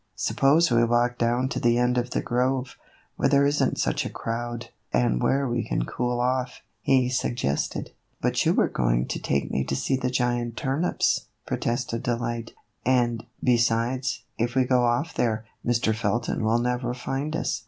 " Suppose we walk down to the end of the grove, where there is n't such a crowd, and where we can cool off," he suggested. " But you were going to take me to see the giant turnips," protested Delight ;" and, besides, if we go off there, Mr. Felton will never find us."